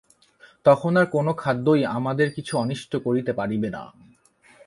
তখন আর কোন খাদ্যই আমাদের কিছু অনিষ্ট করিতে পারিবে না।